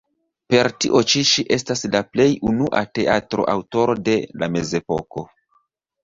Per tio ĉi ŝi estas la plej unua teatro-aŭtoro de la Mezepoko.